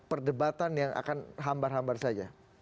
dari tempatan yang akan hambar hambar saja